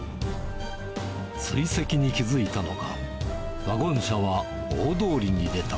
追跡に気付いたのか、ワゴン車は大通りに出た。